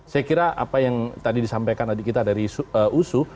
saya kira apa yang tadi disampaikan adik kita dari usu